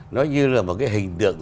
nó như là một cái hình tượng